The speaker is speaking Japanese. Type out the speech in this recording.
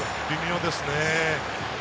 微妙ですね。